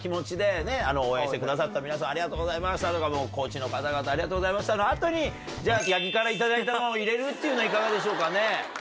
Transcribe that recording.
「応援してくださった皆さんありがとうございました」とか「コーチの方々ありがとうございました」の後にじゃあ八木から頂いたのを入れるっていうのはいかがでしょうかね？